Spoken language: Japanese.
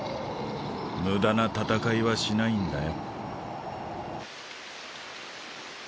無駄な戦いはしないんだよ。